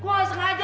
beliau sih kayaknya